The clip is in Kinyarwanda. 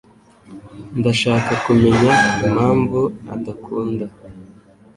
Ndashaka kumenya impamvu udakunda